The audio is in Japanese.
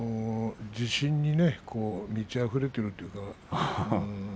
自信に満ちあふれているというか。